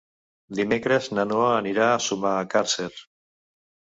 Dimecres na Noa anirà a Sumacàrcer.